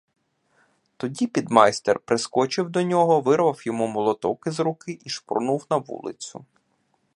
Тоді підмайстер прискочив до нього, вирвав йому молоток із руки і шпурнув на вулицю.